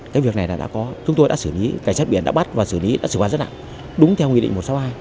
cái việc này đã có chúng tôi đã xử lý cảnh sát biển đã bắt và xử lý đã xử lý rất đặng đúng theo nguyên định một trăm sáu mươi hai